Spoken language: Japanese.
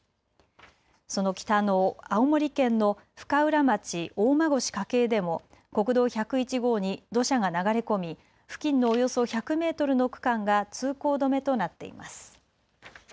その北の青森県の深浦町大間越筧でも国道１０１号に土砂が流れ込み、付近のおよそ１００メートルの区間が通行止めとなっています。